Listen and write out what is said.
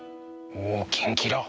おキンキラ。